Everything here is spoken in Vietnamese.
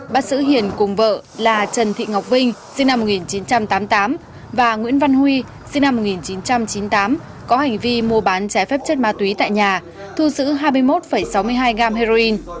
bắt sử hiền cùng vợ là trần thị ngọc vinh sinh năm một nghìn chín trăm tám mươi tám và nguyễn văn huy sinh năm một nghìn chín trăm chín mươi tám có hành vi mua bán trái phép chất ma túy tại nhà thu giữ hai mươi một sáu mươi hai g heroin